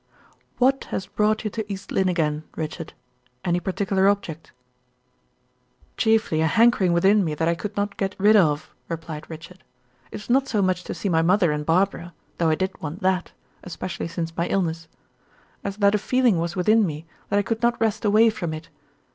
"What has brought you to East Lynne again, Richard? Any particular object?" "Chiefly a hankering within me that I could not get rid of," replied Richard. "It was not so much to see my mother and Barbara though I did want that, especially since my illness as that a feeling was within me that I could not rest away from it.